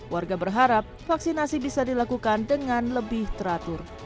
warga berharap vaksinasi bisa dilakukan dengan lebih teratur